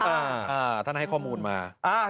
อ่าท่านให้ข้อมูลมา